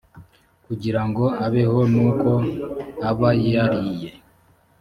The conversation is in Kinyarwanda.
kugira ngo abeho n’uko aba yariye: